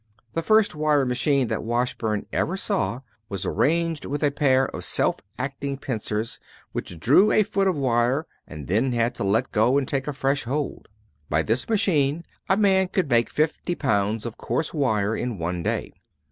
The first wire machine that Washburn ever saw was arranged with a pair of self acting pincers which drew a foot of wire and then had to let go and take a fresh hold. By this machine a man could make fifty pounds of coarse wire in a day.